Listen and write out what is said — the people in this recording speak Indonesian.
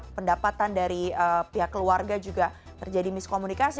pendapatan dari pihak keluarga juga terjadi miskomunikasi